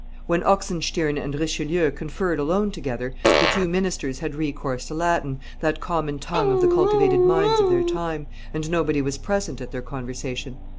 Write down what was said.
When Oxenstiern and Richelieu conferred alone together, the two ministers had recourse to Latin, that common tongue of the cultivated minds of their time, and nobody was present at their conversation.